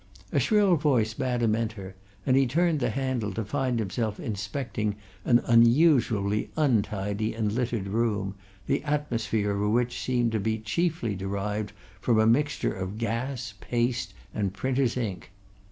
A shrill voice bade him enter, and he turned the handle to find himself inspecting an unusually untidy and littered room, the atmosphere of which seemed chiefly to be derived from a mixture of gas, paste and printers' ink.